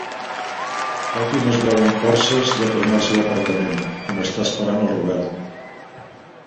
Cathy no es veu amb forces de tornar al seu apartament, on està esperant el Robert.